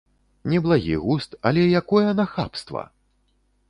Неблагі густ, але якое нахабства!